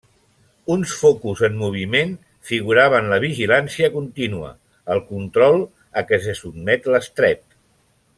Uns focus en moviment figuraven la vigilància contínua, el control, a què se sotmet l'Estret.